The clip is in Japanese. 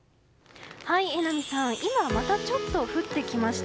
榎並さん、今またちょっと降ってきました。